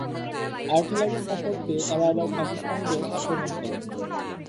Artillery support পেয়ে তারা আবার পাকিস্তানিদের আক্রমণ করেন।